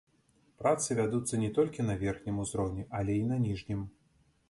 Працы вядуцца не толькі на верхнім узроўні, але і на ніжнім.